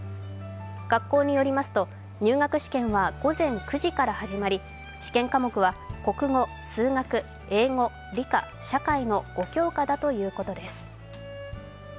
学校によりますと入学試験は午前９時から始まり、試験科目は国語、数学英語、理科、社会の５教科だということです。